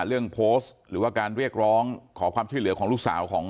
เรื่องโพสต์หรือว่าการเรียกร้องขอความช่วยเหลือของลูกสาวของ